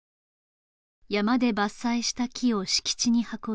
山で伐採した木を敷地に運び